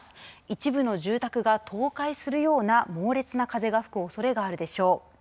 一部の住宅が倒壊するような猛烈な風が吹くおそれがあるでしょう。